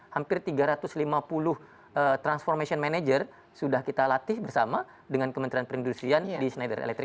hampir tiga ratus lima puluh transformation manager sudah kita latih bersama dengan kementerian perindustrian di schneider electric